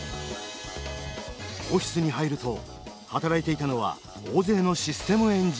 オフィスに入ると働いていたのは大勢のシステムエンジニア。